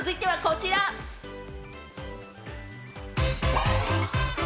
続いてはこちら。